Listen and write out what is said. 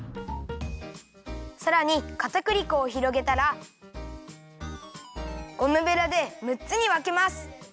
さらにかたくり粉をひろげたらゴムベラでむっつにわけます。